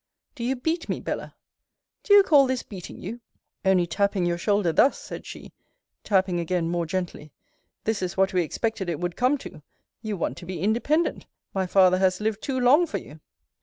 Do you beat me, Bella? Do you call this beating you? only tapping you shoulder thus, said she; tapping again more gently This is what we expected it would come to You want to be independent My father has lived too long for you